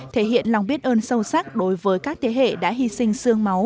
thể hiện lòng biết ơn sâu sắc đối với các thế hệ đã hy sinh sương máu